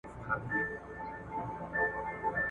د نامردو له روز ګاره سره کار وي ..